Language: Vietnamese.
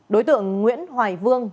đối tượng nguyễn hoài vương